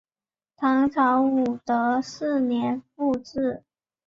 唐朝武德四年复置。